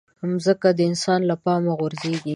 مځکه د انسان له پامه غورځيږي.